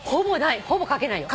ほぼかけないよ。